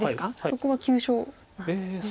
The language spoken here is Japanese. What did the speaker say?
そこは急所なんですね。